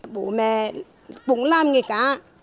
bố mẹ cũng làm nghề cá